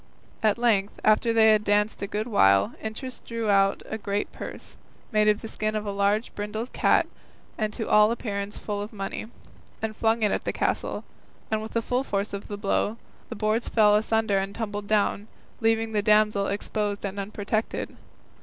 At length, after they had danced a good while, Interest drew out a great purse, made of the skin of a large brindled cat and to all appearance full of money, and flung it at the castle, and with the force of the blow the boards fell asunder and tumbled down, leaving the damsel exposed and unprotected.